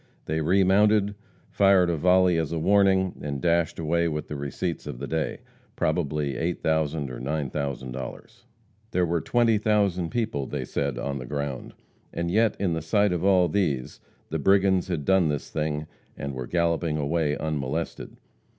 They remounted, fired a volley as a warning, and dashed away with the receipts of the day, probably $8,000 or $9,000. There were twenty thousand people, they said, on the ground. And yet in the sight of all these the brigands had done this thing, and were galloping away unmolested.